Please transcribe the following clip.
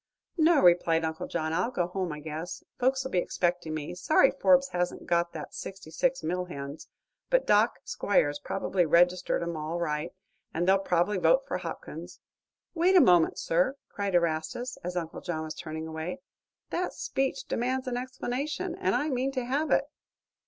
"No," replied Uncle John; "I'll go home, I guess. Folks'll be expecting me. Sorry Forbes hasn't got that sixty six mill hands; but Doc. Squiers probably registered 'em all right, and they'll probably vote for Hopkins." "Wait a moment, sir!" cried Erastus, as Uncle John was turning away. "That speech demands an explanation, and I mean to have it."